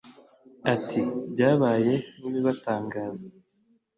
Ati “ Byabaye nk’ibibatangaza